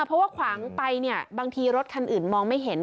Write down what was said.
เพราะว่าขวางไปเนี่ยบางทีรถคันอื่นมองไม่เห็น